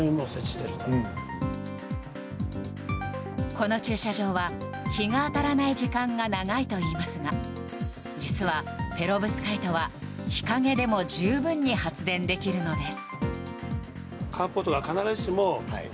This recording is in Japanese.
この駐車場は日が当たらない時間が長いといいますが実はペロブスカイトは日陰でも十分に発電できるのです。